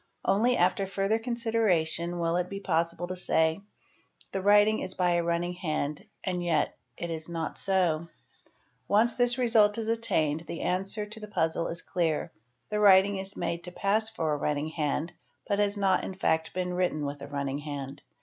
Only after further consideration will it be qi possible to say "The writing is by a running hand—and yet it is not so"'; | once this result is attained the answer to the puzzle is clear ;—the writing 1s made to pass for a running hand but has not in 'fact been written with a running hand.